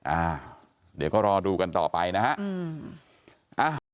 อ่าเดี๋ยวก็รอดูกันต่อไปนะฮะ